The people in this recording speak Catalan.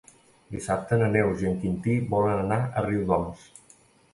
Dissabte na Neus i en Quintí volen anar a Riudoms.